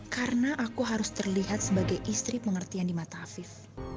karena aku harus terlihat sebagai istri pengertian di mata afif